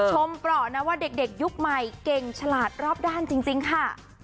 เปราะนะว่าเด็กยุคใหม่เก่งฉลาดรอบด้านจริงค่ะ